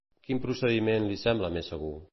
Quin procediment li sembla més segur?